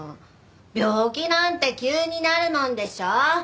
病気なんて急になるもんでしょ？